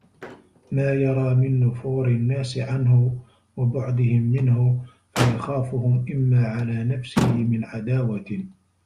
مَا يَرَى مِنْ نُفُورِ النَّاسِ عَنْهُ وَبُعْدِهِمْ مِنْهُ فَيَخَافُهُمْ إمَّا عَلَى نَفْسِهِ مِنْ عَدَاوَةٍ